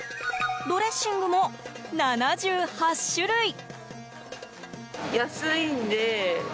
ドレッシングも７８種類。